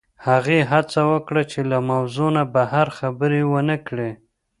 هغې هڅه وکړه چې له موضوع نه بهر خبرې ونه کړي